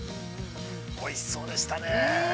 ◆おいしそうでしたね。